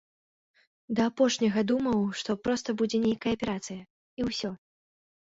Да апошняга думаў, што проста будзе нейкая аперацыя, і ўсё.